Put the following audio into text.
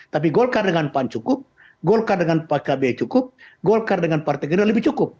tapi golkar dengan pan cukup golkar dengan pkb cukup golkar dengan partai gerindra lebih cukup